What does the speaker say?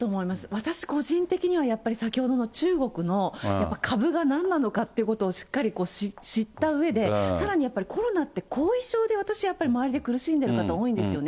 私、個人的にはやっぱり先ほどの中国のやっぱ株がなんなのかということをしっかり知ったうえで、さらにやっぱりコロナって、後遺症で、私やっぱり周り、苦しんでる方、多いんですよね。